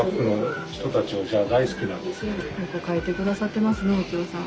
よく描いて下さってますね幸士さん。